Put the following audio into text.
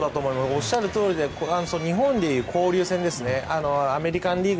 おっしゃるとおりで日本で言う交流戦でアメリカン・リーグ